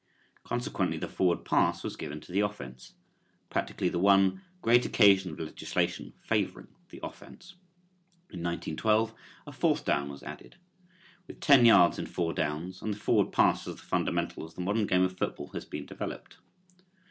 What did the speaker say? Consequently the forward pass was given to the offense practically the one great occasion of legislation favoring the offense. In 1912 a fourth down was added. With ten yards in four downs and the forward pass as the fundamentals the modern game of football has been developed.